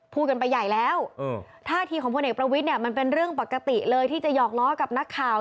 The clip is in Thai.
พูดกันไปใหญ่แล้วท่าทีของพลเอกประวิทย์เนี่ยมันเป็นเรื่องปกติเลยที่จะหอกล้อกับนักข่าว